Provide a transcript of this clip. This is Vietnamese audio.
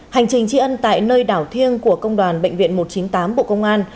hành trình tri ân tại nơi đảo thiêng của công đoàn bệnh viện một trăm chín mươi tám bộ công an